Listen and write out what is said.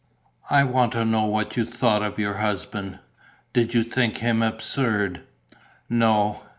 "I want to know what you thought of your husband. Did you think him absurd?" "No."